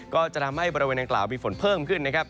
ก็จะทำให้บริเวณดังกล่าวมีฝนเพิ่มขึ้นนะครับ